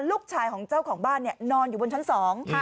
ลูกชายของเจ้าของบ้านเนี่ยนอนอยู่บนชั้นสอง